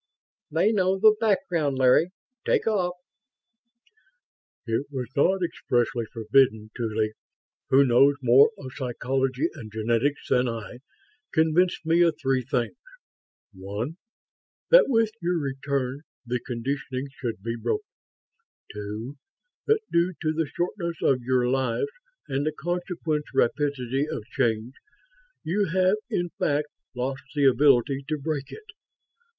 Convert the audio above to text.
"They know the background, Larry. Take off." "It was not expressly forbidden. Tuly, who knows more of psychology and genetics than I, convinced me of three things. One, that with your return the conditioning should be broken. Two, that due to the shortness of your lives and the consequent rapidity of change, you have in fact lost the ability to break it.